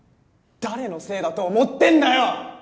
誰のせいだと思ってんだよ！